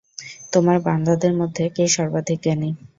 তোমার বান্দাদের মধ্যে কে সর্বাধিক জ্ঞানী?